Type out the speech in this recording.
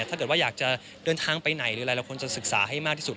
ถ้าเกิดว่าอยากจะเดินทางไปไหนหรือหลายคนจะศึกษาให้มากที่สุด